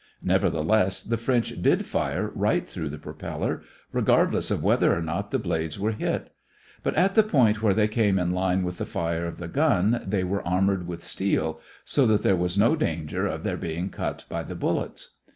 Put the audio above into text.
Nevertheless the French did fire right through the propeller, regardless of whether or not the blades were hit; but at the point where they came in line with the fire of the gun they were armored with steel, so that there was no danger of their being cut by the bullets.